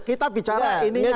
kita bicara ini ya dong